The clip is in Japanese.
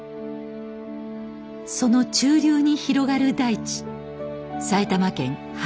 その中流に広がる大地埼玉県羽生市です。